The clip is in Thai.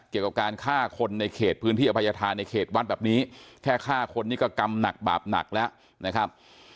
เกี่ยวกับการฆ่าคนในเขตพื้นที่อภัยธาในเขตวัดแบบนี้แค่ฆ่าคนนี้ก็กรรมหนักบาปหนักแล้วนะครับ